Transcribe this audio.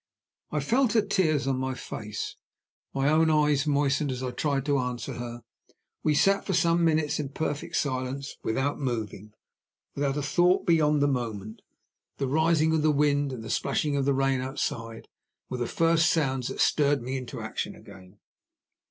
I felt her tears on my face; my own eyes moistened as I tried to answer her. We sat for some minutes in perfect silence without moving, without a thought beyond the moment. The rising of the wind, and the splashing of the rain outside were the first sounds that stirred me into action again.